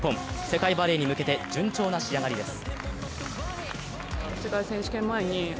世界バレーに向けて順調な仕上がりです。